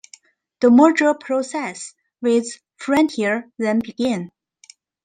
The merger process with Frontier then began.